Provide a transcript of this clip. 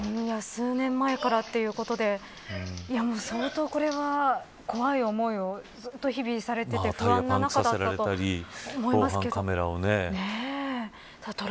数年前からということで相当これは怖い思いをずっと日々されていて不安な中だったと思いますけど。